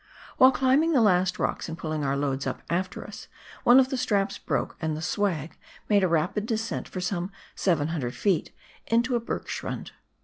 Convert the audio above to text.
While climbing the last rocks and pulling our loads up after us, one of the straps broke, and the "swag" made a rapid descent for some 700 ft. into a hergschrund.